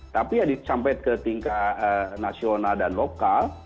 tapi ya sampai ke tingkat nasional dan lokal